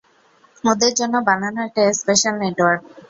ওদের জন্য বানানো একটা স্পেশাল নেটওয়ার্ক।